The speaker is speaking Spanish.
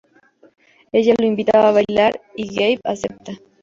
Ella lo invita a bailar y Gabe acepta.